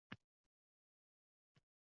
Bayroq qilib ko’tardi.